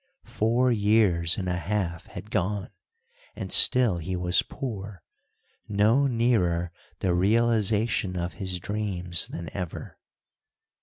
Four years and a half had gone, and still he was poor, no nearer the realization of his dreams than ever.